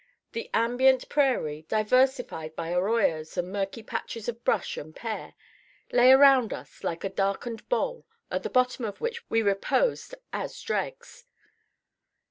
The ambient prairie, diversified by arroyos and murky patches of brush and pear, lay around us like a darkened bowl at the bottom of which we reposed as dregs.